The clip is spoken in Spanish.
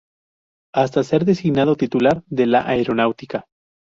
Hasta ser designado titular de la Aeronáutica.